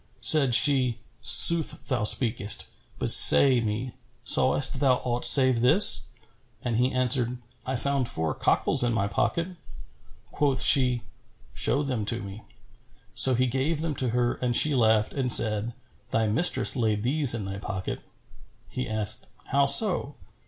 Said she, "Sooth thou speakest: but say me, sawest thou aught save this?" And he answered, "I found four cockals in my pocket." Quoth she, "Show them to me." So he gave them to her and she laughed and said, "Thy mistress laid these in thy pocket." He asked, "How so?"